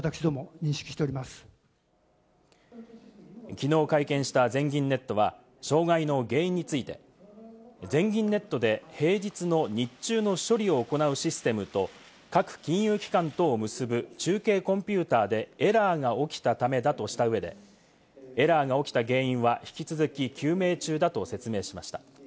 きのう会見した全銀ネットは、障害の原因について、全銀ネットで平日の日中の処理を行うシステムと、各金融機関とを結ぶ中継コンピューターでエラーが起きたためだとした上で、エラーが起きた原因は引き続き究明中だと説明しました。